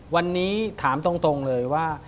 วันนี้ถามตรงเลยว่า